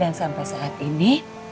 dan sampai saat ini